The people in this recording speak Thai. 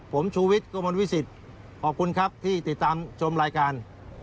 ผมชูวิทย์กระมวลวิสิตขอบคุณครับที่ติดตามชมรายการ